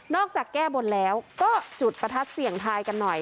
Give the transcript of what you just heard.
จากแก้บนแล้วก็จุดประทัดเสี่ยงทายกันหน่อย